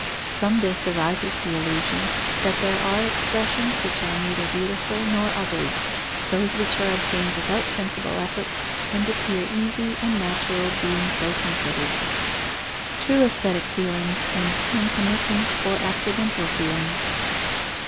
From this arises the illusion that there are expressions which are neither beautiful nor ugly, those which are obtained without sensible effort and appear easy and natural being so considered. _True aesthetic feelings and concomitant or accidental feelings.